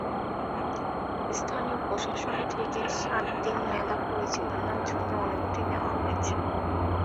স্থানীয় প্রশাসন থেকে সাত দিন মেলা পরিচালানার জন্য অনুমতি নেওয়া হয়।